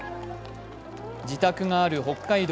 自宅がある北海道